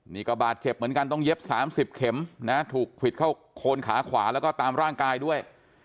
นี่ก็บาดเจ็บเหมือนกันต้องเย็บ๓๐เข็มนะถูกควิดเข้าโคนขาขวาแล้วก็ตามร่างกายด้วย